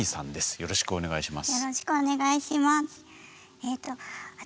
よろしくお願いします。